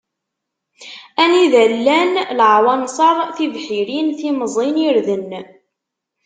Anida i llan laɛwanṣer, tibḥirin, timẓin, irden.